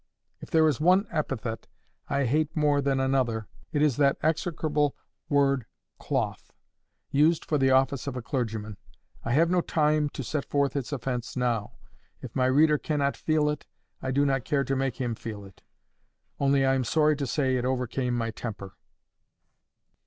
If there is one epithet I hate more than another, it is that execrable word CLOTH—used for the office of a clergyman. I have no time to set forth its offence now. If my reader cannot feel it, I do not care to make him feel it. Only I am sorry to say it overcame my temper.